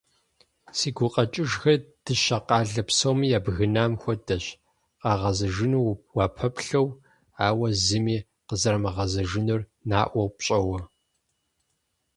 Си гукъэкӏыжхэр дыщэ къалэ псоми ябгынам хуэдэщ, къагъэзэжыну уапэплъэу, ауэ зыми къызэримыгъэзэжынур наӏуэу пщӏэуэ.